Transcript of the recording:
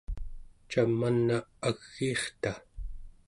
ca man'a agiirta?